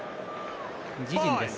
自陣です。